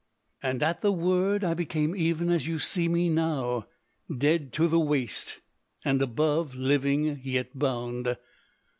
] And at the word I became even as you see me now dead to the waist, and above living yet bound.